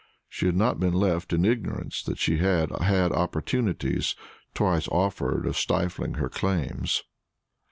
She had not been left in ignorance that he had had opportunities twice offered of stifling her claims.